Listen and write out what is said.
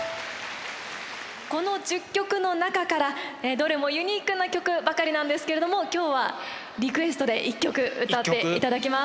この１０曲の中からどれもユニークな曲ばかりなんですけれども今日はリクエストで１曲歌っていただきます。